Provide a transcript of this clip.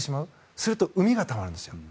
すると、うみがたまるんですよ。